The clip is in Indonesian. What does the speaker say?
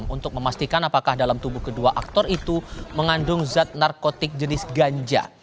untuk memastikan apakah dalam tubuh kedua aktor itu mengandung zat narkotik jenis ganja